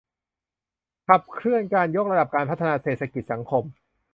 ขับเคลื่อนการยกระดับการพัฒนาเศรษฐกิจ สังคม